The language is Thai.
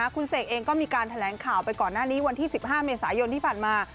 คุณเสกเองก็มีการแถลงข่าวไปก่อนหน้านี้วันที่๑๕เมษายนที่ผ่านมา